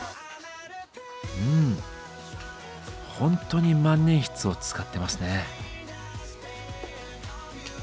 うんほんとに万年筆を使ってますね。